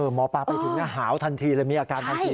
หมอปลาไปถึงหน้าหาวทันทีเลยมีอาการพันธุ์ผี